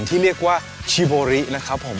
ที่เรียกว่าชีโบรินะครับผม